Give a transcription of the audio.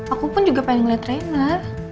aku pun juga pengen liat rena